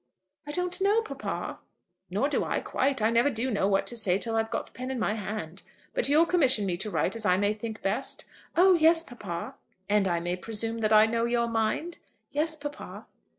"I don't know, papa." "Nor do I, quite. I never do know what to say till I've got the pen in my hand. But you'll commission me to write as I may think best?" "Oh yes, papa." "And I may presume that I know your mind?" "Yes, papa."